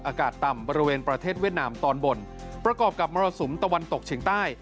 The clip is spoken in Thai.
อากาศต่ำบริเวณประเทศเวียดนามตอนบนประกอบกับมรสุมตะวันตกเฉียงใต้